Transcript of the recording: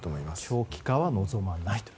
長期化は望まないと。